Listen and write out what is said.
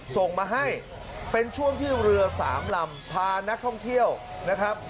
ส่งมาให้เป็นช่วงที่เรือสามลำพานักท่องเที่ยวนะครับ